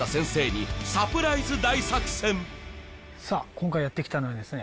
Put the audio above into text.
今回やってきたのはですね